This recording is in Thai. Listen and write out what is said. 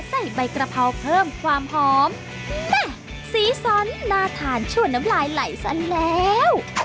ใส่ใบกระเพราเพิ่มความหอมแม่สีสันน่าทานชั่วน้ำลายไหลซะแล้ว